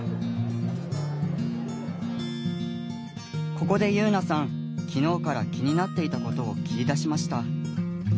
ここで結菜さん昨日から気になっていたことを切り出しました。